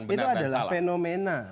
itu adalah fenomena